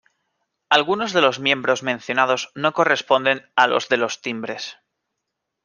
Algunos de los miembros mencionados no corresponden a los de los timbres..